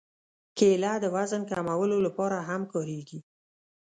کېله د وزن کمولو لپاره هم کارېږي.